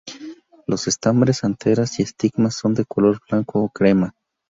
Los estambres, anteras y estigmas son de color blanco o crema.